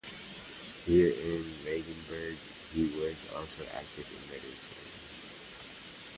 Here in Langenburg he was also active in literature.